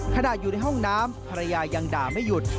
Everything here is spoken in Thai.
ขณะอยู่ในห้องน้ำภรรยายังด่าไม่หยุด